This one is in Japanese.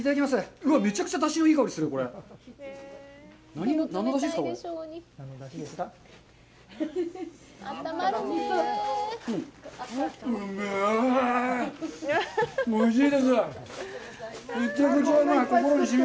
うわっ、めちゃくちゃ出汁のいい香りしている。